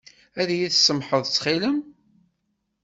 Ad iyi-tsamḥeḍ ttxil-m?